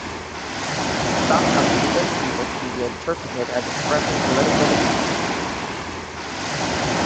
Some of Linda's music can be interpreted as expressing political dissent.